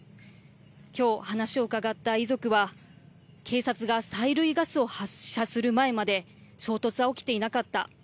今日、話を伺った遺族は警察が催涙ガスを発射する前まで衝突は起きていなかった。